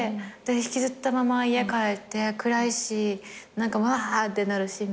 引きずったまま家帰って暗いしわーってなるしみたいな。